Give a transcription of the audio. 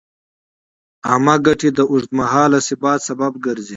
عامه ګټې د اوږدمهاله ثبات سبب ګرځي.